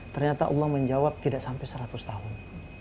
ternyata allah menjawab tidak sampai seratus tahun